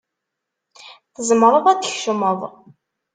Tzemreḍ ad d-tkecmeḍ.